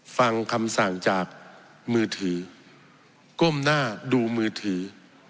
ฟังคำสั่งจากมือถือก้มหน้าดูมือถือ